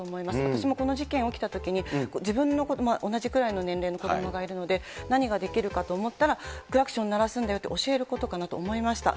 私もこの事件起きたときに、自分の子ども、同じくらいの年齢の子どもがいるので、何ができるかと思ったら、クラクション鳴らすんだよと教えることかなと思いました。